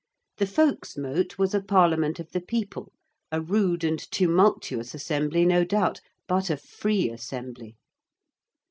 The Folks' Mote was a Parliament of the People a rude and tumultuous assembly, no doubt, but a free assembly.